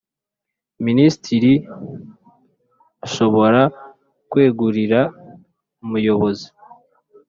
Minisitiri ashobora kwegurira Umuyobozi